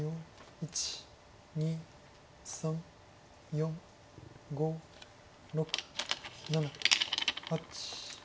１２３４５６７８。